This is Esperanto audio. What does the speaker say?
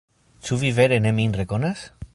Ĉu vi vere ne min rekonas?